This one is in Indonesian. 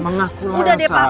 mengaku lah elsa